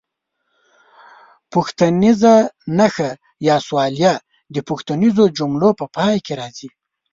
پوښتنیزه نښه یا سوالیه د پوښتنیزو جملو په پای کې راځي.